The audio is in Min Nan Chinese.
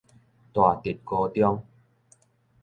大直高中